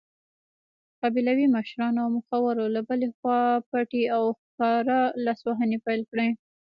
قبیلوي مشرانو او مخورو له بلې خوا پټې او ښکاره لاسوهنې پیل کړې.